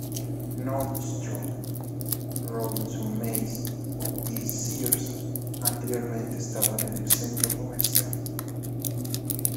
Nordstrom, Robinsons-May y Sears anteriormente estaban en el centro comercial.